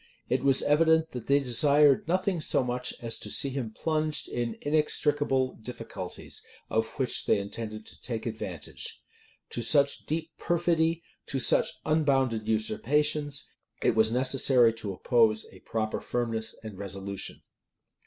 It was evident, that they desired nothing so much as to see him plunged in inextricable difficulties, of which they intended to take advantage. To such deep perfidy, to such unbounded usurpations, it was necessary to oppose a proper firmness and resolution.